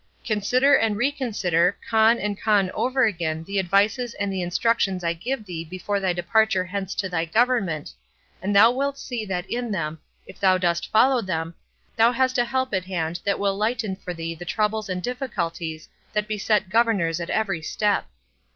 Consider and reconsider, con and con over again the advices and the instructions I gave thee before thy departure hence to thy government, and thou wilt see that in them, if thou dost follow them, thou hast a help at hand that will lighten for thee the troubles and difficulties that beset governors at every step.